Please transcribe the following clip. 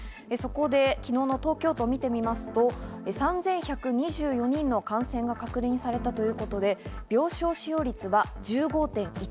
そこで昨日の東京都を見てみますと、３１２４人の感染が確認されたということで、病床使用率は１５．１％。